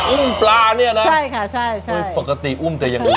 อุ้มปลาเนี่ยนะใช่ค่ะใช่ใช่คือปกติอุ้มแต่ยังไง